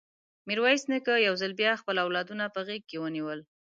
ميرويس نيکه يو ځل بيا خپل اولادونه په غېږ کې ونيول.